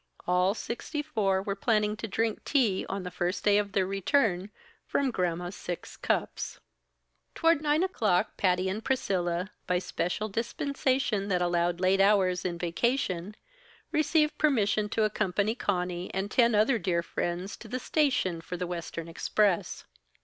All sixty four were planning to drink tea, on the first day of their return, from Gramma's six cups. Toward nine o'clock, Patty and Priscilla, by a special dispensation that allowed late hours in vacation, received permission to accompany Conny and ten other dear friends to the station for the western express.